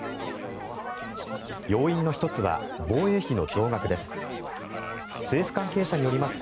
要因の１つは防衛費の増額です。